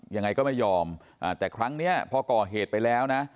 ยังไงก็ไม่ยอมแต่ครั้งนี้พอก่อเหตุไปแล้วนะ